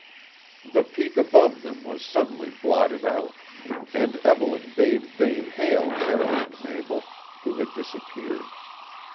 The peak above them was suddenly blotted out, and Evelyn bade Vane hail Carroll and Mabel, who had disappeared.